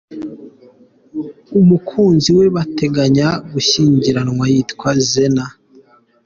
Umukunzi we bateganya gushyingiranwa yitwa Zena.